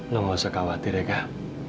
lu nggak usah khawatir ya kak